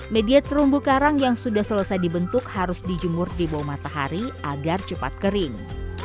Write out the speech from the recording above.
media terumbu karang yang sudah selesai dibentuk harus dijemur di bawah matahari agar cepat kering